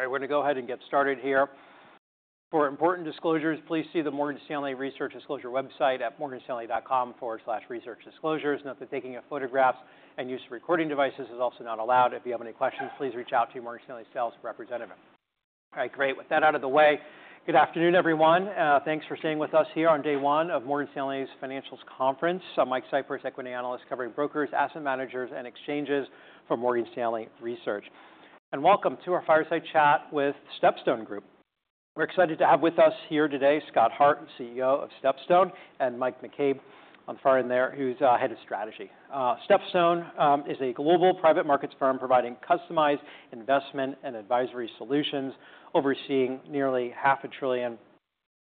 All right, we're going to go ahead and get started here. For important disclosures, please see the Morgan Stanley Research Disclosure website at morganstanley.com/researchdisclosures. Note that taking photographs and use of recording devices is also not allowed. If you have any questions, please reach out to your Morgan Stanley sales representative. All right, great. With that out of the way, good afternoon, everyone. Thanks for staying with us here on day one of Morgan Stanley's financials conference. I'm Mike Cyprys, equity analyst covering brokers, asset managers, and exchanges for Morgan Stanley Research. Welcome to our fireside chat with StepStone Group. We're excited to have with us here today Scott Hart, CEO of StepStone, and Mike McCabe on the far end there, who's Head of Strategy. StepStone is a global private markets firm providing customized investment and advisory solutions, overseeing nearly half a trillion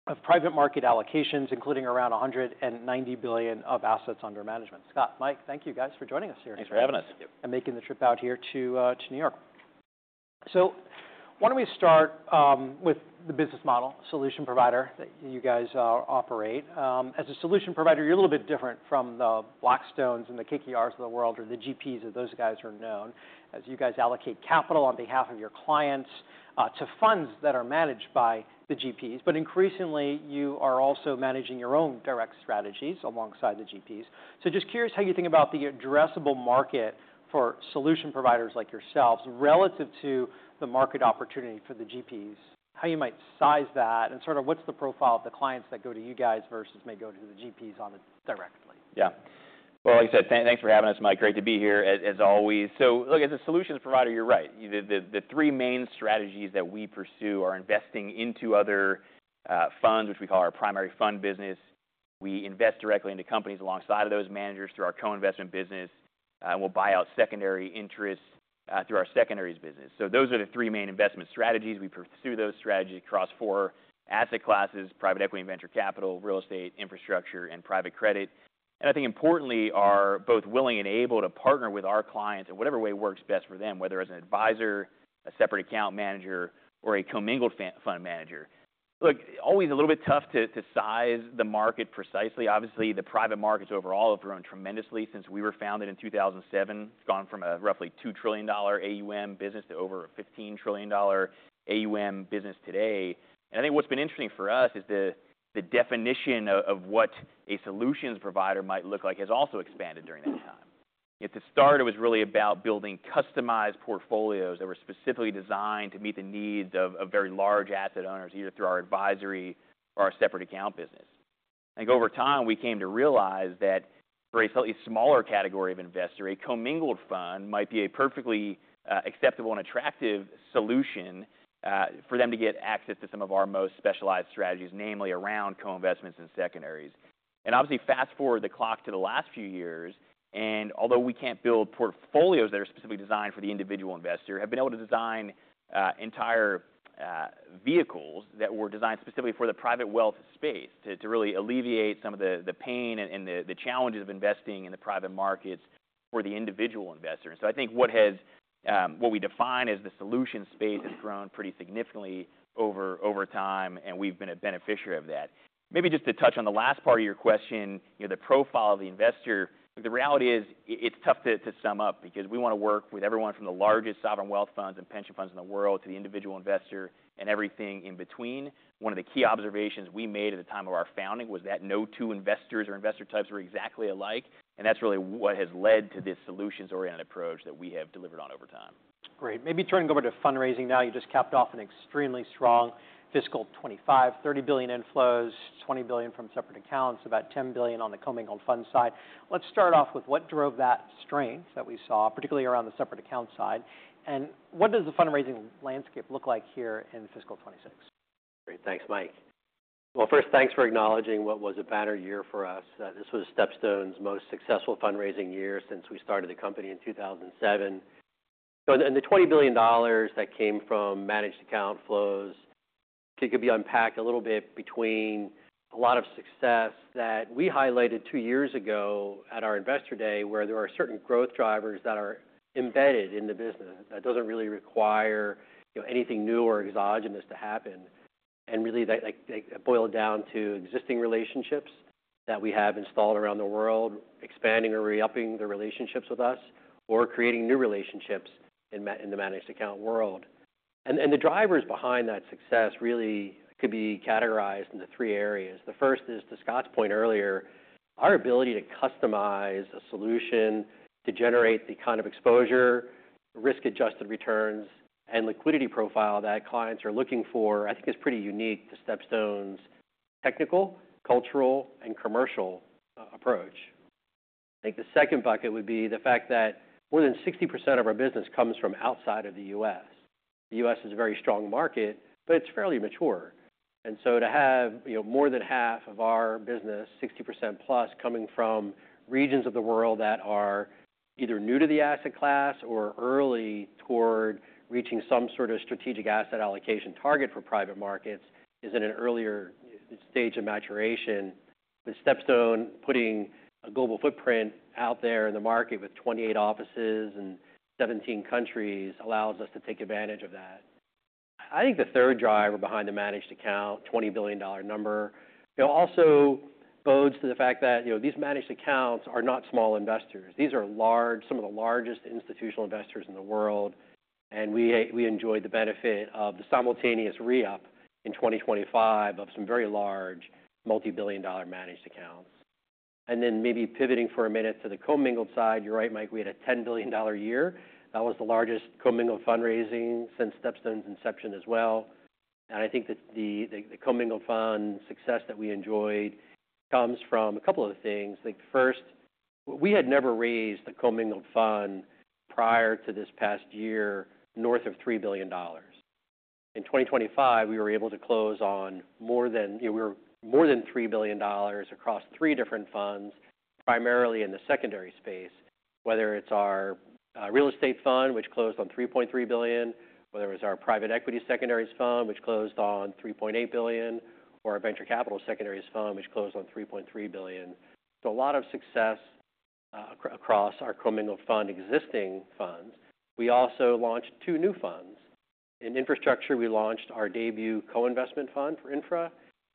of private market allocations, including around $190 billion of assets under management. Scott, Mike, thank you guys for joining us here. Thanks for having us. Making the trip out here to New York. Why don't we start with the business model, solution provider that you guys operate? As a solution provider, you're a little bit different from the Blackstones and the KKRs of the world or the GPs that those guys are known as. You guys allocate capital on behalf of your clients to funds that are managed by the GPs. Increasingly, you are also managing your own direct strategies alongside the GPs. Just curious how you think about the addressable market for solution providers like yourselves relative to the market opportunity for the GPs, how you might size that, and sort of what's the profile of the clients that go to you guys versus may go to the GPs on it directly. Yeah. Like I said, thanks for having us, Mike. Great to be here as always. Look, as a solutions provider, you're right. The three main strategies that we pursue are investing into other funds, which we call our primary fund business. We invest directly into companies alongside of those managers through our co-investment business, and we will buy out secondary interests through our secondaries business. Those are the three main investment strategies. We pursue those strategies across four asset classes: private equity, venture capital, real estate, infrastructure, and private credit. I think importantly, are both willing and able to partner with our clients in whatever way works best for them, whether as an advisor, a separate account manager, or a commingled fund manager. Look, always a little bit tough to size the market precisely. Obviously, the private markets overall have grown tremendously since we were founded in 2007. It's gone from a roughly $2 trillion AUM business to over a $15 trillion AUM business today. I think what's been interesting for us is the definition of what a solutions provider might look like has also expanded during that time. At the start, it was really about building customized portfolios that were specifically designed to meet the needs of very large asset owners, either through our advisory or our separate account business. I think over time, we came to realize that for a slightly smaller category of investors, a commingled fund might be a perfectly acceptable and attractive solution for them to get access to some of our most specialized strategies, namely around co-investments and secondaries. Obviously, fast forward the clock to the last few years, and although we can't build portfolios that are specifically designed for the individual investor, we have been able to design entire vehicles that were designed specifically for the private wealth space to really alleviate some of the pain and the challenges of investing in the private markets for the individual investor. I think what we define as the solution space has grown pretty significantly over time, and we've been a beneficiary of that. Maybe just to touch on the last part of your question, the profile of the investor, the reality is it's tough to sum up because we want to work with everyone from the largest sovereign wealth funds and pension funds in the world to the individual investor and everything in between. One of the key observations we made at the time of our founding was that no two investors or investor types were exactly alike, and that's really what has led to this solutions-oriented approach that we have delivered on over time. Great. Maybe turning over to fundraising now. You just kept off an extremely strong fiscal 2025, $30 billion inflows, $20 billion from separate accounts, about $10 billion on the commingled fund side. Let's start off with what drove that strength that we saw, particularly around the separate account side, and what does the fundraising landscape look like here in fiscal 2026? Great. Thanks, Mike. First, thanks for acknowledging what was a banner year for us. This was StepStone's most successful fundraising year since we started the company in 2007. The $20 billion that came from managed account flows could be unpacked a little bit between a lot of success that we highlighted two years ago at our investor day, where there are certain growth drivers that are embedded in the business that do not really require anything new or exogenous to happen. That boiled down to existing relationships that we have installed around the world, expanding or re-upping the relationships with us, or creating new relationships in the managed account world. The drivers behind that success really could be categorized into three areas. The first is, to Scott's point earlier, our ability to customize a solution to generate the kind of exposure, risk-adjusted returns, and liquidity profile that clients are looking for, I think is pretty unique to StepStone's technical, cultural, and commercial approach. I think the second bucket would be the fact that more than 60% of our business comes from outside of the U.S. The U.S. is a very strong market, but it's fairly mature. To have more than half of our business, 60% plus, coming from regions of the world that are either new to the asset class or early toward reaching some sort of strategic asset allocation target for private markets is in an earlier stage of maturation. StepStone putting a global footprint out there in the market with 28 offices in 17 countries allows us to take advantage of that. I think the third driver behind the managed account, $20 billion number, also bodes to the fact that these managed accounts are not small investors. These are some of the largest institutional investors in the world, and we enjoyed the benefit of the simultaneous re-up in 2025 of some very large multi-billion dollar managed accounts. Maybe pivoting for a minute to the commingled side, you're right, Mike, we had a $10 billion year. That was the largest commingled fundraising since StepStone's inception as well. I think that the commingled fund success that we enjoyed comes from a couple of things. First, we had never raised the commingled fund prior to this past year north of $3 billion. In 2025, we were able to close on more than $3 billion across three different funds, primarily in the secondary space, whether it's our real estate fund, which closed on $3.3 billion, whether it was our private equity secondaries fund, which closed on $3.8 billion, or our venture capital secondaries fund, which closed on $3.3 billion. A lot of success across our commingled fund existing funds. We also launched two new funds. In infrastructure, we launched our debut co-investment fund for infra, and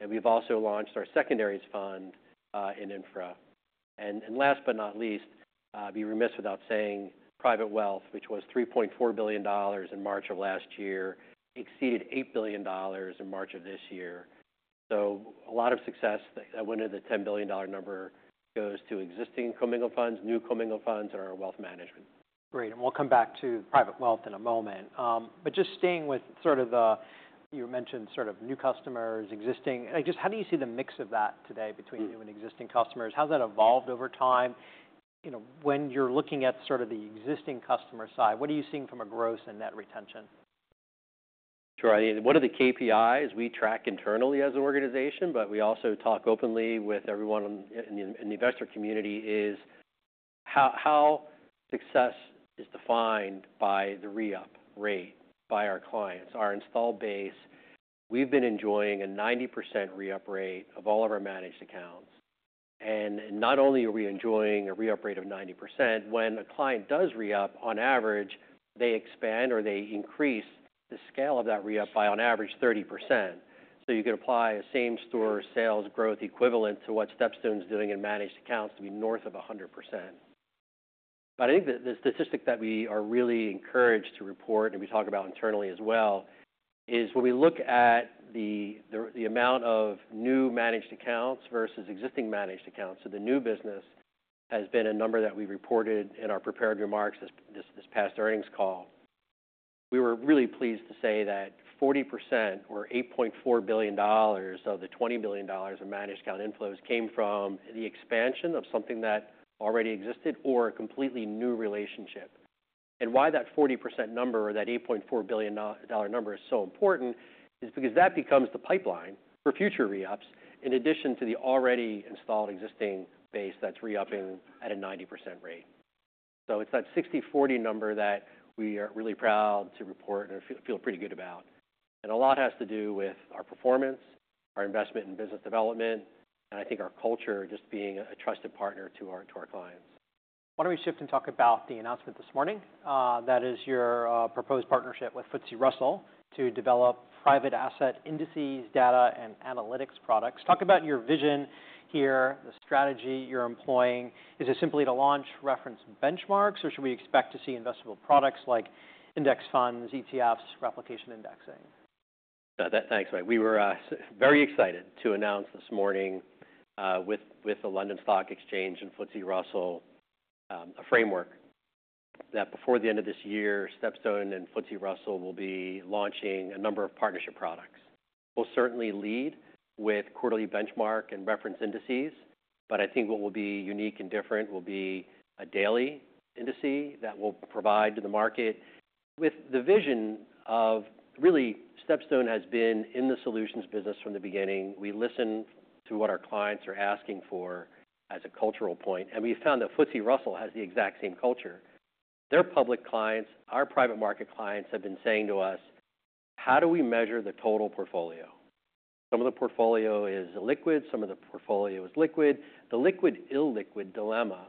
we have also launched our secondaries fund in infra. Last but not least, I'd be remiss without saying private wealth, which was $3.4 billion in March of last year, exceeded $8 billion in March of this year. A lot of success that went into the $10 billion number goes to existing commingled funds, new commingled funds, and our wealth management. Great. We'll come back to private wealth in a moment. Just staying with sort of the, you mentioned sort of new customers, existing, just how do you see the mix of that today between new and existing customers? How's that evolved over time? When you're looking at sort of the existing customer side, what are you seeing from a gross and net retention? Sure. One of the KPIs we track internally as an organization, but we also talk openly with everyone in the investor community, is how success is defined by the re-up rate by our clients, our install base. We've been enjoying a 90% re-up rate of all of our managed accounts. Not only are we enjoying a re-up rate of 90%, when a client does re-up, on average, they expand or they increase the scale of that re-up by, on average, 30%. You could apply a same-store sales growth equivalent to what StepStone's doing in managed accounts to be north of 100%. I think the statistic that we are really encouraged to report, and we talk about internally as well, is when we look at the amount of new managed accounts versus existing managed accounts, so the new business has been a number that we reported in our prepared remarks this past earnings call, we were really pleased to say that 40% or $8.4 billion of the $20 billion of managed account inflows came from the expansion of something that already existed or a completely new relationship. Why that 40% number or that $8.4 billion number is so important is because that becomes the pipeline for future re-ups in addition to the already installed existing base that is re-upping at a 90% rate. It is that 60/40 number that we are really proud to report and feel pretty good about. A lot has to do with our performance, our investment in business development, and I think our culture just being a trusted partner to our clients. Why don't we shift and talk about the announcement this morning? That is your proposed partnership with FTSE Russell to develop private asset indices, data, and analytics products. Talk about your vision here, the strategy you're employing. Is it simply to launch reference benchmarks, or should we expect to see investable products like index funds, ETFs, replication indexing? Thanks, Mike. We were very excited to announce this morning with the London Stock Exchange and FTSE Russell a framework that before the end of this year, StepStone and FTSE Russell will be launching a number of partnership products. We'll certainly lead with quarterly benchmark and reference indices, but I think what will be unique and different will be a daily indice that will provide to the market with the vision of really StepStone has been in the solutions business from the beginning. We listen to what our clients are asking for as a cultural point, and we found that FTSE Russell has the exact same culture. Their public clients, our private market clients have been saying to us, "How do we measure the total portfolio?" Some of the portfolio is illiquid. Some of the portfolio is liquid. The liquid-illiquid dilemma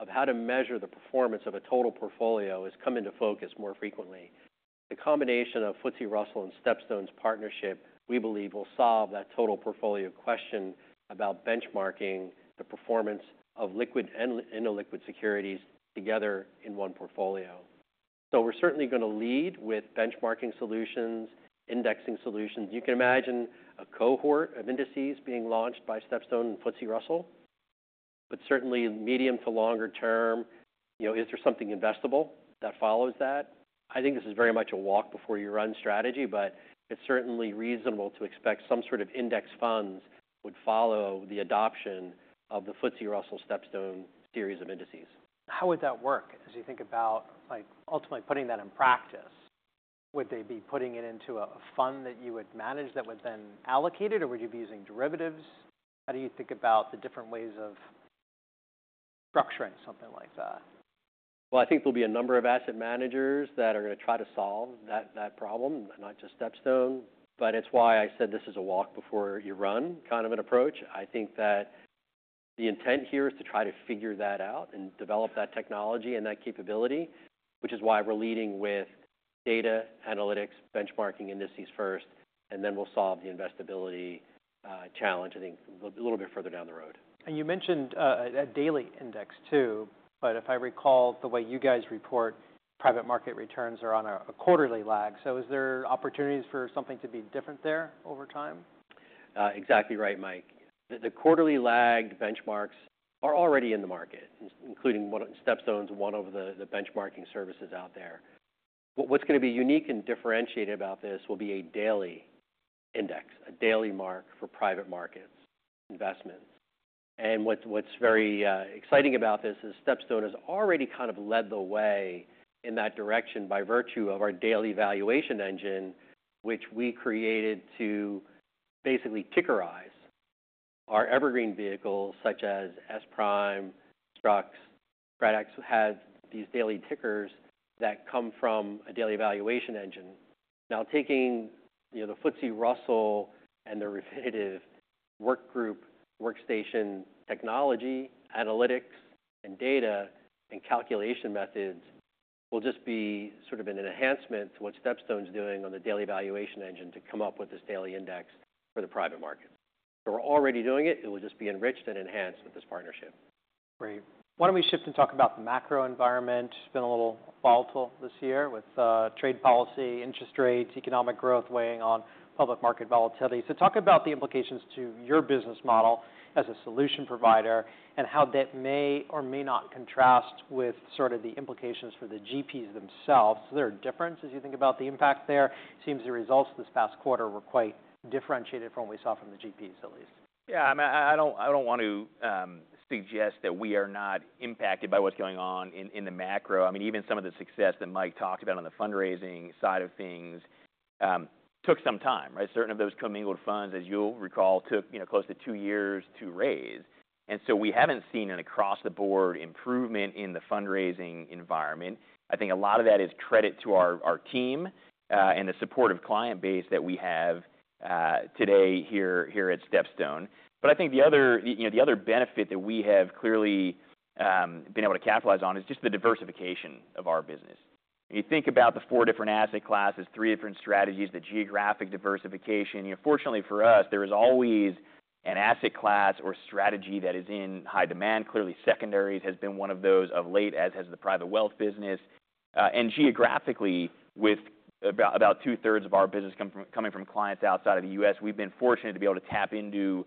of how to measure the performance of a total portfolio has come into focus more frequently. The combination of FTSE Russell and StepStone's partnership, we believe, will solve that total portfolio question about benchmarking the performance of liquid and illiquid securities together in one portfolio. We are certainly going to lead with benchmarking solutions, indexing solutions. You can imagine a cohort of indices being launched by StepStone and FTSE Russell, but certainly medium to longer term, is there something investable that follows that? I think this is very much a walk before you run strategy, but it is certainly reasonable to expect some sort of index funds would follow the adoption of the FTSE Russell StepStone series of indices. How would that work as you think about ultimately putting that in practice? Would they be putting it into a fund that you would manage that would then allocate it, or would you be using derivatives? How do you think about the different ways of structuring something like that? I think there'll be a number of asset managers that are going to try to solve that problem, not just StepStone, but it's why I said this is a walk before you run kind of an approach. I think that the intent here is to try to figure that out and develop that technology and that capability, which is why we're leading with data, analytics, benchmarking indices first, and then we'll solve the investability challenge, I think, a little bit further down the road. You mentioned a daily index too, but if I recall the way you guys report private market returns are on a quarterly lag. Is there opportunities for something to be different there over time? Exactly right, Mike. The quarterly lagged benchmarks are already in the market, including StepStone's, one of the benchmarking services out there. What's going to be unique and differentiated about this will be a daily index, a daily mark for private markets investments. What's very exciting about this is StepStone has already kind of led the way in that direction by virtue of our daily valuation engine, which we created to basically tickerize our evergreen vehicles, such as S-Prime, Strux, CredEx, who have these daily tickers that come from a daily valuation engine. Now, taking the FTSE Russell and the Refinitiv work group, workstation technology, analytics, and data and calculation methods will just be sort of an enhancement to what StepStone's doing on the daily valuation engine to come up with this daily index for the private markets. We're already doing it. It will just be enriched and enhanced with this partnership. Great. Why don't we shift and talk about the macro environment? It's been a little volatile this year with trade policy, interest rates, economic growth weighing on public market volatility. Talk about the implications to your business model as a solution provider and how that may or may not contrast with sort of the implications for the GPs themselves. Is there a difference as you think about the impact there? It seems the results this past quarter were quite differentiated from what we saw from the GPs, at least. Yeah. I mean, I do not want to suggest that we are not impacted by what is going on in the macro. I mean, even some of the success that Mike talked about on the fundraising side of things took some time, right? Certain of those commingled funds, as you will recall, took close to two years to raise. We have not seen an across-the-board improvement in the fundraising environment. I think a lot of that is credit to our team and the supportive client base that we have today here at StepStone. I think the other benefit that we have clearly been able to capitalize on is just the diversification of our business. You think about the four different asset classes, three different strategies, the geographic diversification. Fortunately for us, there is always an asset class or strategy that is in high demand. Clearly, secondaries has been one of those of late, as has the private wealth business. Geographically, with about two-thirds of our business coming from clients outside of the U.S., we've been fortunate to be able to tap into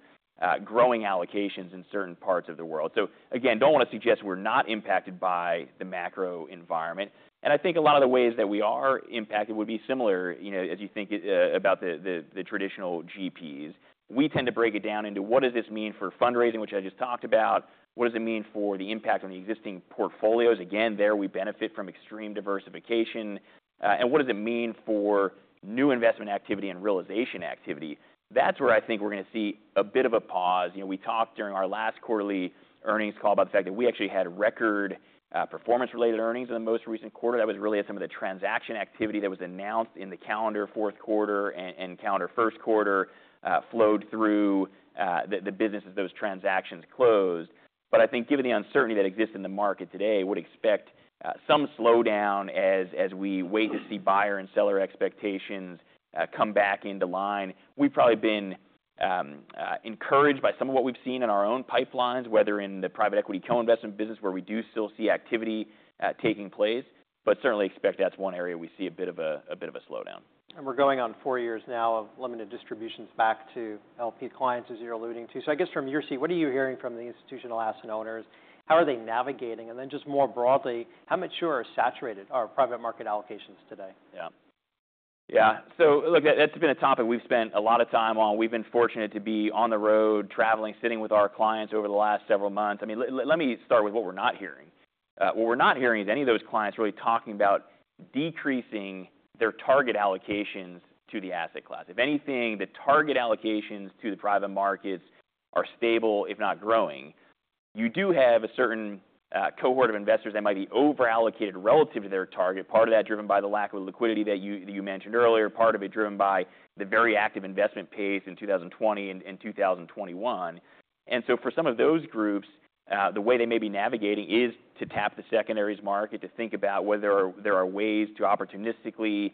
growing allocations in certain parts of the world. I do not want to suggest we're not impacted by the macro environment. I think a lot of the ways that we are impacted would be similar as you think about the traditional GPs. We tend to break it down into what does this mean for fundraising, which I just talked about. What does it mean for the impact on the existing portfolios? There we benefit from extreme diversification. What does it mean for new investment activity and realization activity? That is where I think we're going to see a bit of a pause. We talked during our last quarterly earnings call about the fact that we actually had record performance-related earnings in the most recent quarter. That was really as some of the transaction activity that was announced in the calendar fourth quarter and calendar first quarter flowed through the business as those transactions closed. I think given the uncertainty that exists in the market today, I would expect some slowdown as we wait to see buyer and seller expectations come back into line. We've probably been encouraged by some of what we've seen in our own pipelines, whether in the private equity co-investment business where we do still see activity taking place, but certainly expect that's one area we see a bit of a slowdown. We're going on four years now of limited distributions back to LP clients, as you're alluding to. I guess from your seat, what are you hearing from the institutional asset owners? How are they navigating? Just more broadly, how mature or saturated are private market allocations today? Yeah. Yeah. Look, that's been a topic we've spent a lot of time on. We've been fortunate to be on the road, traveling, sitting with our clients over the last several months. I mean, let me start with what we're not hearing. What we're not hearing is any of those clients really talking about decreasing their target allocations to the asset class. If anything, the target allocations to the private markets are stable, if not growing. You do have a certain cohort of investors that might be overallocated relative to their target, part of that driven by the lack of liquidity that you mentioned earlier, part of it driven by the very active investment pace in 2020 and 2021. For some of those groups, the way they may be navigating is to tap the secondaries market, to think about whether there are ways to opportunistically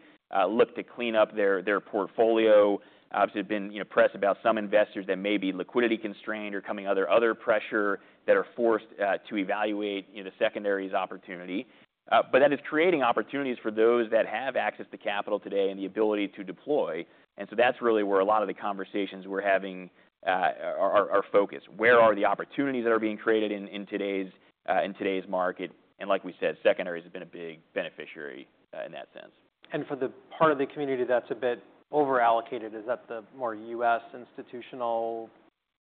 look to clean up their portfolio. Obviously, there have been press about some investors that may be liquidity constrained or coming under other pressure that are forced to evaluate the secondaries opportunity. That is creating opportunities for those that have access to capital today and the ability to deploy. That is really where a lot of the conversations we are having are focused. Where are the opportunities that are being created in today's market? Like we said, secondaries have been a big beneficiary in that sense. For the part of the community that's a bit overallocated, is that the more U.S. institutional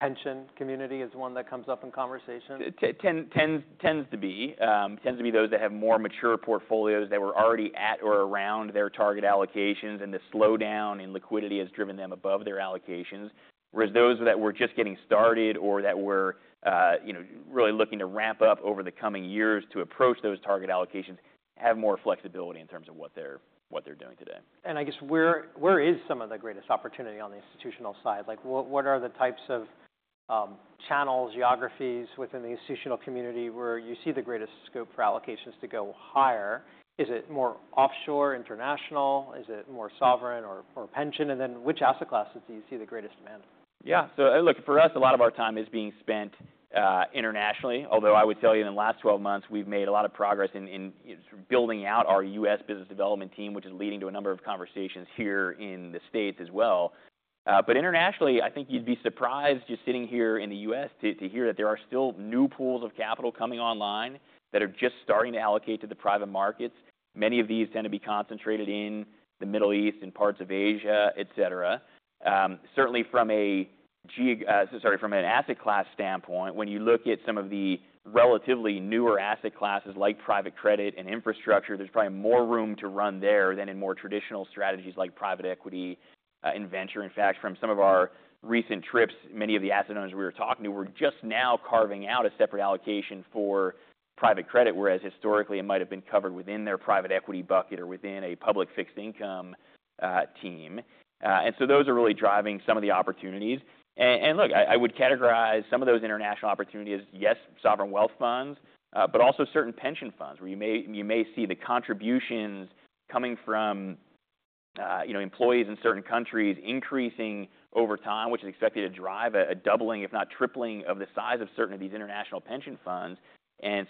pension community is one that comes up in conversation? Tends to be. Tends to be those that have more mature portfolios that were already at or around their target allocations, and the slowdown in liquidity has driven them above their allocations. Whereas those that were just getting started or that were really looking to ramp up over the coming years to approach those target allocations have more flexibility in terms of what they're doing today. I guess where is some of the greatest opportunity on the institutional side? What are the types of channels, geographies within the institutional community where you see the greatest scope for allocations to go higher? Is it more offshore, international? Is it more sovereign or pension? Which asset classes do you see the greatest demand? Yeah. So look, for us, a lot of our time is being spent internationally, although I would tell you in the last 12 months, we've made a lot of progress in building out our U.S. business development team, which is leading to a number of conversations here in the States as well. Internationally, I think you'd be surprised just sitting here in the U.S. to hear that there are still new pools of capital coming online that are just starting to allocate to the private markets. Many of these tend to be concentrated in the Middle East, in parts of Asia, etc. Certainly from an asset class standpoint, when you look at some of the relatively newer asset classes like private credit and infrastructure, there's probably more room to run there than in more traditional strategies like private equity and venture. In fact, from some of our recent trips, many of the asset owners we were talking to were just now carving out a separate allocation for private credit, whereas historically it might have been covered within their private equity bucket or within a public fixed income team. Those are really driving some of the opportunities. I would categorize some of those international opportunities, yes, sovereign wealth funds, but also certain pension funds where you may see the contributions coming from employees in certain countries increasing over time, which is expected to drive a doubling, if not tripling, of the size of certain of these international pension funds.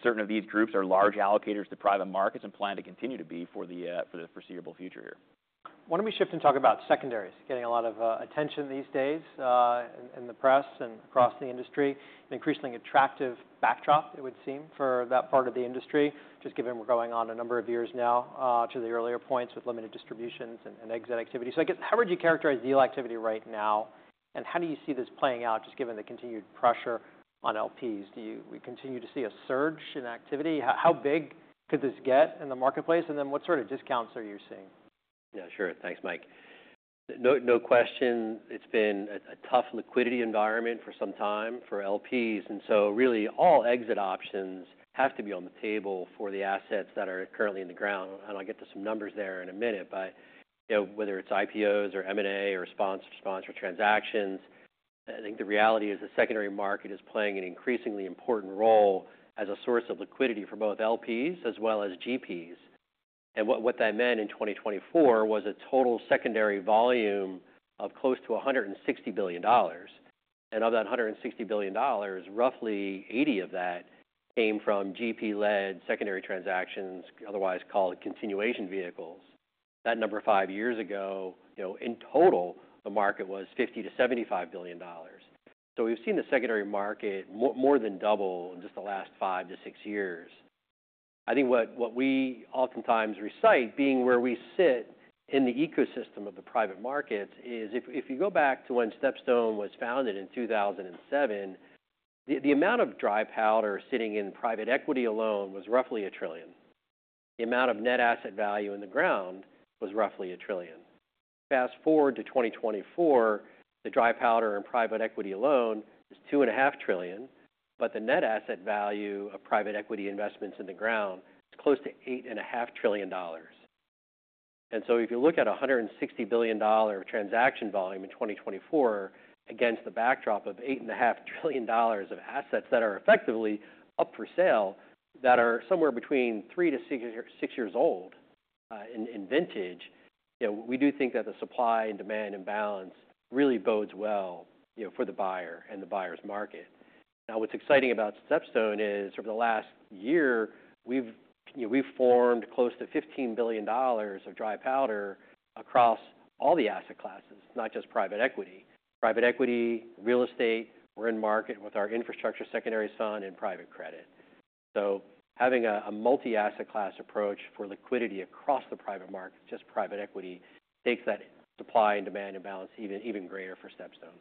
Certain of these groups are large allocators to private markets and plan to continue to be for the foreseeable future here. Why don't we shift and talk about secondaries? Getting a lot of attention these days in the press and across the industry. An increasingly attractive backdrop, it would seem, for that part of the industry, just given we're going on a number of years now to the earlier points with limited distributions and exit activity. I guess, how would you characterize deal activity right now? How do you see this playing out just given the continued pressure on LPs? Do we continue to see a surge in activity? How big could this get in the marketplace? What sort of discounts are you seeing? Yeah, sure. Thanks, Mike. No question, it's been a tough liquidity environment for some time for LPs. And so really all exit options have to be on the table for the assets that are currently in the ground. I'll get to some numbers there in a minute, but whether it's IPOs or M&A or sponsored transactions, I think the reality is the secondary market is playing an increasingly important role as a source of liquidity for both LPs as well as GPs. What that meant in 2024 was a total secondary volume of close to $160 billion. Of that $160 billion, roughly 80 of that came from GP-led secondary transactions, otherwise called continuation vehicles. That number five years ago, in total, the market was $50 billion-$75 billion. We've seen the secondary market more than double in just the last five to six years. I think what we oftentimes recite being where we sit in the ecosystem of the private markets is if you go back to when StepStone was founded in 2007, the amount of dry powder sitting in private equity alone was roughly $1 trillion. The amount of net asset value in the ground was roughly $1 trillion. Fast forward to 2024, the dry powder in private equity alone is $2.5 trillion, but the net asset value of private equity investments in the ground is close to $8.5 trillion. If you look at a $160 billion transaction volume in 2024 against the backdrop of $8.5 trillion of assets that are effectively up for sale that are somewhere between three to six years old in vintage, we do think that the supply and demand imbalance really bodes well for the buyer and the buyer's market. Now, what's exciting about StepStone is over the last year, we've formed close to $15 billion of dry powder across all the asset classes, not just private equity. Private equity, real estate, we're in market with our infrastructure secondaries fund and private credit. Having a multi-asset class approach for liquidity across the private market, just private equity, makes that supply and demand imbalance even greater for StepStone.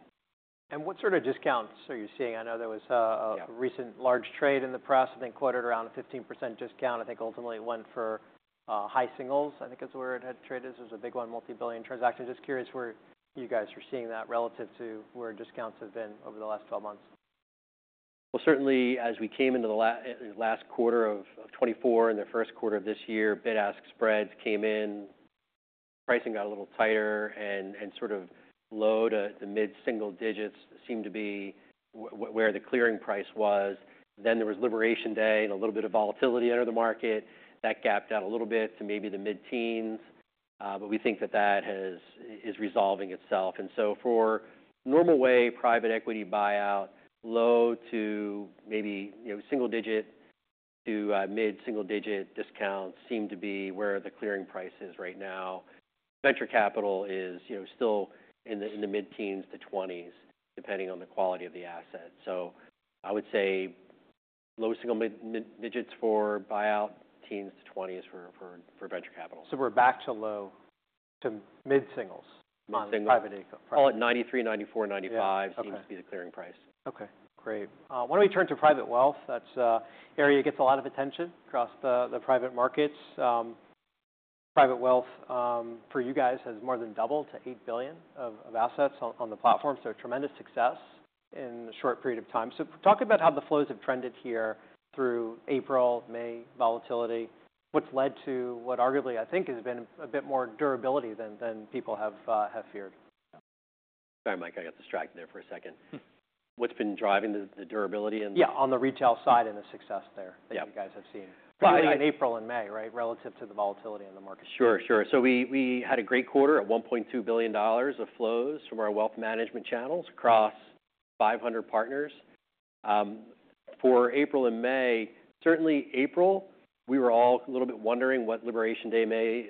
What sort of discounts are you seeing? I know there was a recent large trade in the press. I think quoted around a 15% discount. I think ultimately it went for high singles, I think is where it had traded as a big one multi-billion transaction. Just curious where you guys are seeing that relative to where discounts have been over the last 12 months. Certainly as we came into the last quarter of 2024 and the first quarter of this year, bid-ask spreads came in, pricing got a little tighter and sort of low to mid-single digits seemed to be where the clearing price was. Then there was Liberation Day and a little bit of volatility under the market. That gapped out a little bit to maybe the mid-teens, but we think that that is resolving itself. For normal way private equity buyout, low to maybe single-digit to mid-single-digit discounts seem to be where the clearing price is right now. Venture capital is still in the mid-teens to 20s, depending on the quality of the asset. I would say low single digits for buyout, teens to 20s for venture capital. We're back to low to mid-singles on private equity. All at 93, 94, 95 seems to be the clearing price. Okay. Great. Why don't we turn to private wealth? That area gets a lot of attention across the private markets. Private wealth for you guys has more than doubled to $8 billion of assets on the platform. Tremendous success in a short period of time. Talk about how the flows have trended here through April, May volatility. What's led to what arguably I think has been a bit more durability than people have feared? Sorry, Mike, I got distracted there for a second. What's been driving the durability? Yeah, on the retail side and the success there that you guys have seen. Yeah. Probably in April and May, right, relative to the volatility in the market. Sure, sure. We had a great quarter at $1.2 billion of flows from our wealth management channels across 500 partners. For April and May, certainly April, we were all a little bit wondering what Liberation Day may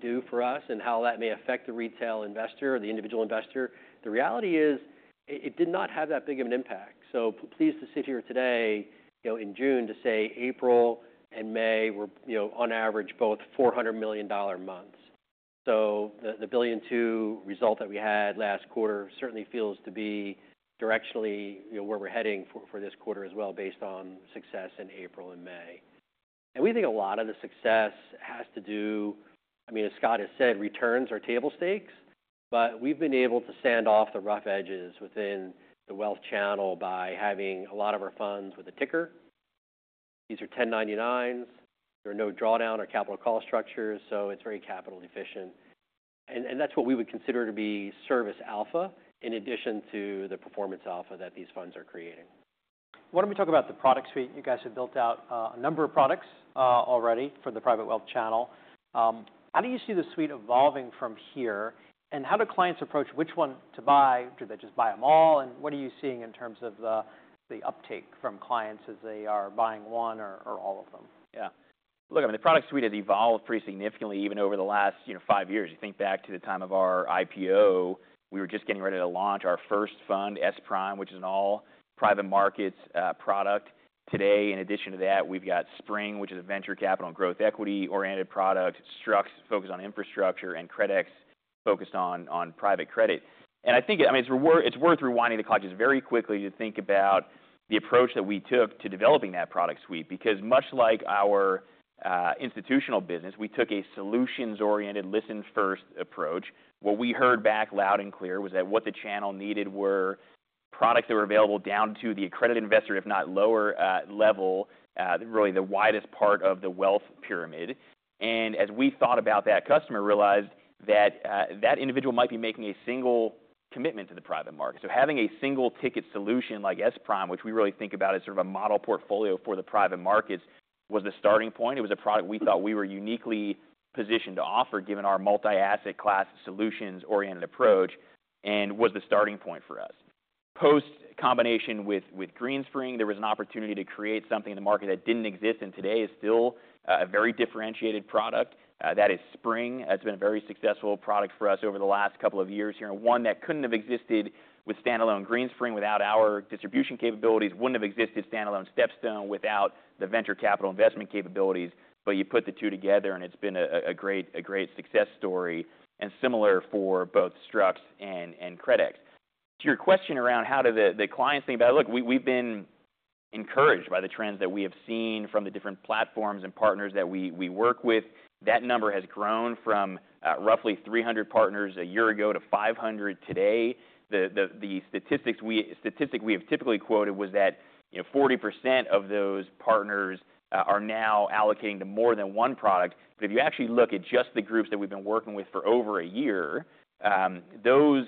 do for us and how that may affect the retail investor or the individual investor. The reality is it did not have that big of an impact. Pleased to sit here today in June to say April and May were on average both $400 million months. The $1.2 billion result that we had last quarter certainly feels to be directionally where we're heading for this quarter as well based on success in April and May. We think a lot of the success has to do, I mean, as Scott has said, returns are table stakes, but we have been able to sand off the rough edges within the wealth channel by having a lot of our funds with a ticker. These are 1099s. There are no drawdown or capital call structures, so it is very capital efficient. That is what we would consider to be service alpha in addition to the performance alpha that these funds are creating. Why don't we talk about the product suite? You guys have built out a number of products already for the private wealth channel. How do you see the suite evolving from here? How do clients approach which one to buy? Do they just buy them all? What are you seeing in terms of the uptake from clients as they are buying one or all of them? Yeah. Look, I mean, the product suite has evolved pretty significantly even over the last five years. You think back to the time of our IPO, we were just getting ready to launch our first fund, S-Prime, which is an all private markets product. Today, in addition to that, we've got Spring, which is a venture capital and growth equity-oriented product, Strux focused on infrastructure, and CredEx focused on private credit. I think, I mean, it's worth rewinding the clock just very quickly to think about the approach that we took to developing that product suite. Because much like our institutional business, we took a solutions-oriented, listen-first approach. What we heard back loud and clear was that what the channel needed were products that were available down to the accredited investor, if not lower level, really the widest part of the wealth pyramid. As we thought about that customer, realized that that individual might be making a single commitment to the private market. Having a single ticket solution like S-Prime, which we really think about as sort of a model portfolio for the private markets, was the starting point. It was a product we thought we were uniquely positioned to offer given our multi-asset class solutions-oriented approach and was the starting point for us. Post combination with Greenspring, there was an opportunity to create something in the market that did not exist and today is still a very differentiated product. That is Spring. That has been a very successful product for us over the last couple of years here. One that could not have existed with standalone Greenspring without our distribution capabilities, would not have existed standalone StepStone without the venture capital investment capabilities. You put the two together and it's been a great success story and similar for both Strux and CredEx. To your question around how do the clients think about it, look, we've been encouraged by the trends that we have seen from the different platforms and partners that we work with. That number has grown from roughly 300 partners a year ago to 500 today. The statistic we have typically quoted was that 40% of those partners are now allocating to more than one product. If you actually look at just the groups that we've been working with for over a year, those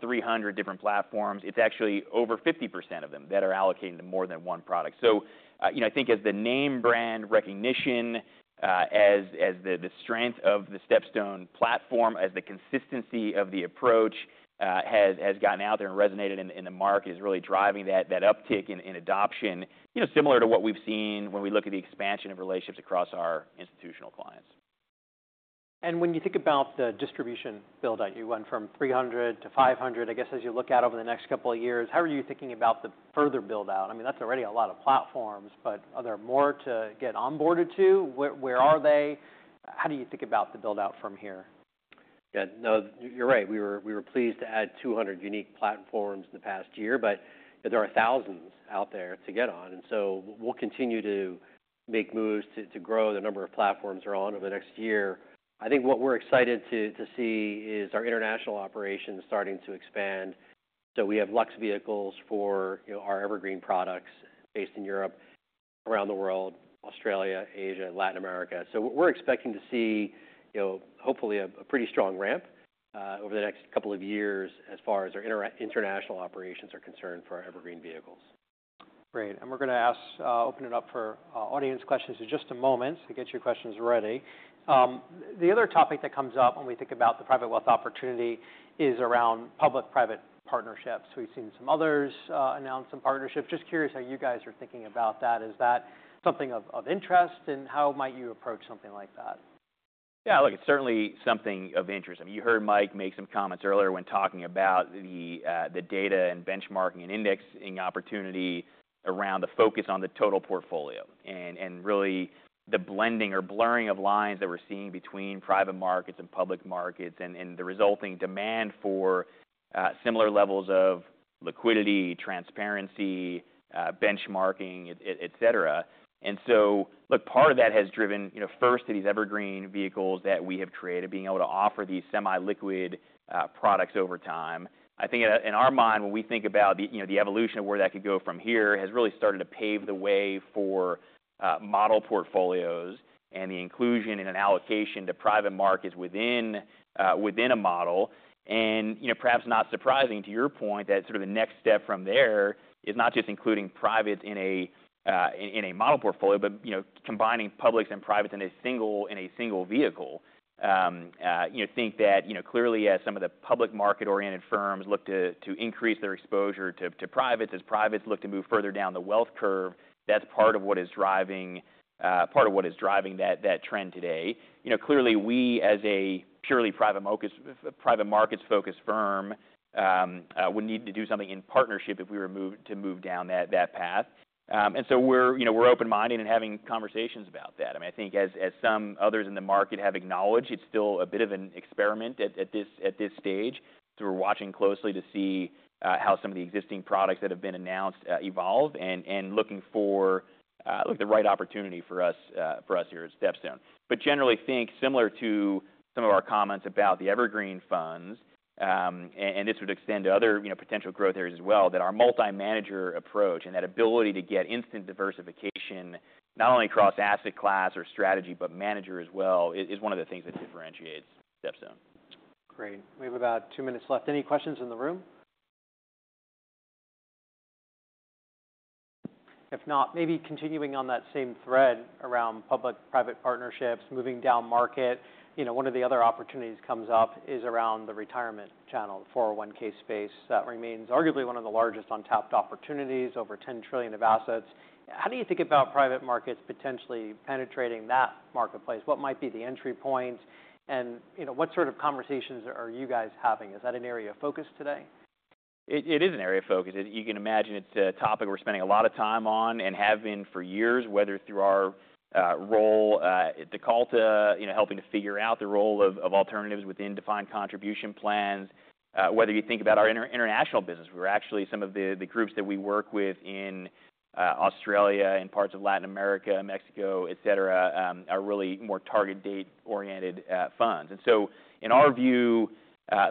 300 different platforms, it's actually over 50% of them that are allocating to more than one product. I think as the name brand recognition, as the strength of the StepStone platform, as the consistency of the approach has gotten out there and resonated in the market, is really driving that uptick in adoption, similar to what we've seen when we look at the expansion of relationships across our institutional clients. When you think about the distribution build-out, you went from 300 to 500. I guess as you look out over the next couple of years, how are you thinking about the further build-out? I mean, that's already a lot of platforms, but are there more to get onboarded to? Where are they? How do you think about the build-out from here? Yeah, no, you're right. We were pleased to add 200 unique platforms in the past year, but there are thousands out there to get on. We'll continue to make moves to grow the number of platforms we're on over the next year. I think what we're excited to see is our international operations starting to expand. We have Luxembourg vehicles for our evergreen products based in Europe, around the world, Australia, Asia, Latin America. We're expecting to see hopefully a pretty strong ramp over the next couple of years as far as our international operations are concerned for our evergreen vehicles. Great. We are going to open it up for audience questions in just a moment, so get your questions ready. The other topic that comes up when we think about the private wealth opportunity is around public-private partnerships. We have seen some others announce some partnerships. Just curious how you guys are thinking about that. Is that something of interest, and how might you approach something like that? Yeah, look, it's certainly something of interest. I mean, you heard Mike make some comments earlier when talking about the data and benchmarking and indexing opportunity around the focus on the total portfolio. Really the blending or blurring of lines that we're seeing between private markets and public markets and the resulting demand for similar levels of liquidity, transparency, benchmarking, etc. Look, part of that has driven first to these evergreen vehicles that we have created, being able to offer these semi-liquid products over time. I think in our mind, when we think about the evolution of where that could go from here, it has really started to pave the way for model portfolios and the inclusion and allocation to private markets within a model. And Perhaps not surprising to your point, that sort of the next step from there is not just including privates in a model portfolio, but combining publics and privates in a single vehicle. Think that clearly as some of the public market-oriented firms look to increase their exposure to privates, as privates look to move further down the wealth curve, that's part of what is driving that trend today. Clearly, we as a purely private markets-focused firm would need to do something in partnership if we were to move down that path. We're open-minded and having conversations about that. I mean, I think as some others in the market have acknowledged, it's still a bit of an experiment at this stage. We're watching closely to see how some of the existing products that have been announced evolve and looking for the right opportunity for us here at StepStone. Generally think similar to some of our comments about the evergreen funds, and this would extend to other potential growth areas as well, that our multi-manager approach and that ability to get instant diversification not only across asset class or strategy, but manager as well is one of the things that differentiates StepStone. Great. We have about two minutes left. Any questions in the room? If not, maybe continuing on that same thread around public-private partnerships, moving down market, one of the other opportunities comes up is around the retirement channel, the 401(k) space that remains arguably one of the largest untapped opportunities, over $10 trillion of assets. How do you think about private markets potentially penetrating that marketplace? What might be the entry point? And what sort of conversations are you guys having? Is that an area of focus today? It is an area of focus. You can imagine it's a topic we're spending a lot of time on and have been for years, whether through our role at StepStone, helping to figure out the role of alternatives within defined contribution plans. Whether you think about our international business, we're actually some of the groups that we work with in Australia and parts of Latin America, Mexico, etc., are really more target date-oriented funds. In our view,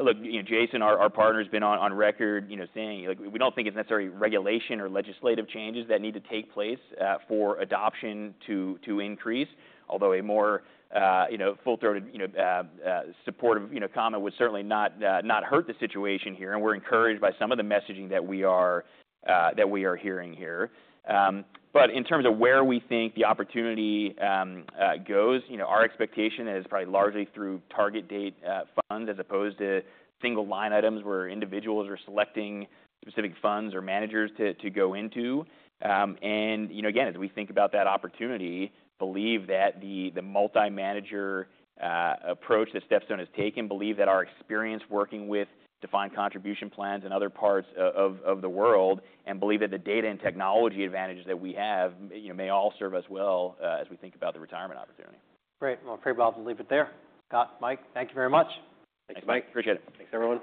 look, Jason, our partner, has been on record saying we don't think it's necessarily regulation or legislative changes that need to take place for adoption to increase, although a more full-throated supportive comment would certainly not hurt the situation here. We are encouraged by some of the messaging that we are hearing here. But In terms of where we think the opportunity goes, our expectation is probably largely through target date funds as opposed to single line items where individuals are selecting specific funds or managers to go into. Again, as we think about that opportunity, believe that the multi-manager approach that StepStone has taken, believe that our experience working with defined contribution plans and other parts of the world, and believe that the data and technology advantages that we have may all serve us well as we think about the retirement opportunity. Great. Well, I'm pretty well to leave it there. Scott, Mike, thank you very much. Thanks, Mike. Appreciate it. Thanks, everyone.